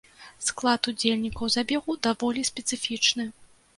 Склад удзельнікаў забегу даволі спецыфічны.